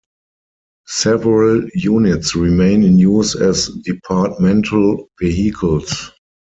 Several units remain in use as departmental vehicles.